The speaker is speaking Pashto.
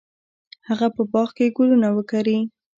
هغه په باغ کې ګلونه وکري.